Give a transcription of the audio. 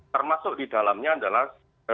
termasuk di dalamnya adalah